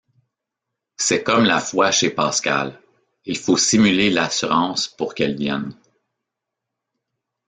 C'est comme la foi chez Pascal, il faut simuler l'assurance pour qu'elle vienne.